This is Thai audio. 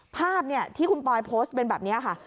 ภาพที่คุณปอยโพสต์เป็นแบบนี้ค่ะ